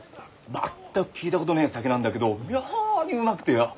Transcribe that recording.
全く聞いたことねえ酒なんだけど妙にうまくてよ。